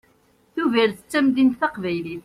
Tubiret d tamdint taqbaylit.